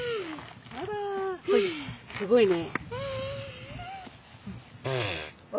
すごいね。